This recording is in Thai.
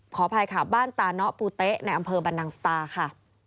ขออภัยค่ะบ้านตาเนาะปูเต๊ะในอำเภอบรรนังสตาค่ะ